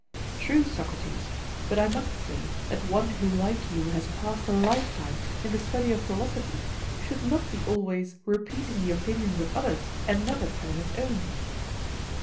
True, Socrates; but I must say that one who like you has passed a lifetime in the study of philosophy should not be always repeating the opinions of others, and never telling his own.